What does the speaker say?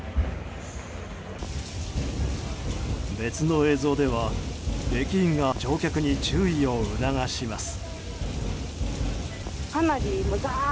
別の映像では駅員が乗客に注意を促します。